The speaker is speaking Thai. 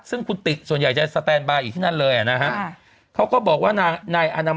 ซึ่งคุณติส่วนใหญ่จะสแตนบาร์อยู่ที่นั่นเลยอ่ะนะฮะเขาก็บอกว่านายอานำ